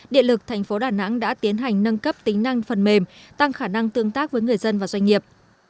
điện lực tp đà nẵng đã tiến hành nâng cấp tính năng phần mềm tăng khả năng tương tác với người dân và doanh nghiệp